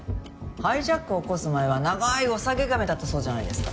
ハイジャックを起こす前は長いおさげ髪だったそうじゃないですか。